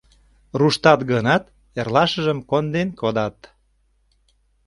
Руштат гынат, эрлашыжым конден кодат...